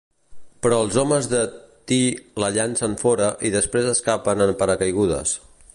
Però els homes de Ty la llencen fora i després escapen en paracaigudes.